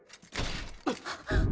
あっ！